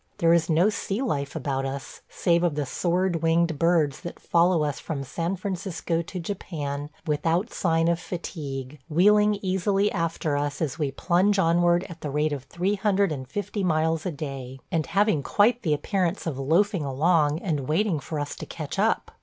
There is no sea life about us, save of the sword winged birds that follow us from San Francisco to Japan without sign of fatigue, wheeling easily after us as we plunge onward at the rate of three hundred and fifty miles a day, and having quite the appearance of loafing along and waiting for us to catch up.